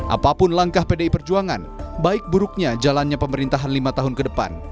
apapun langkah pdi perjuangan baik buruknya jalannya pemerintahan lima tahun ke depan